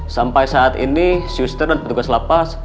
sampai saat ini sister dan petugas lapas